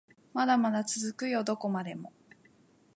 まだまだ続くよどこまでも